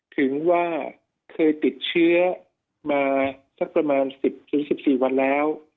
ถึงว่าเคยติดเชื้อมาสักประมาณ๑๐๑๔วันแล้ว